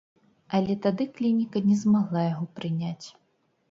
Але тады клініка не змагла яго прыняць.